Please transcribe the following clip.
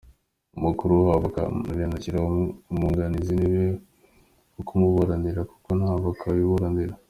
Umukuru w’Abavoka abe yanashyiraho umwunganizi we wo kumuburanira kuko nta Avoka wiburanira.